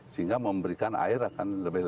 sehingga memberikan air akan lebih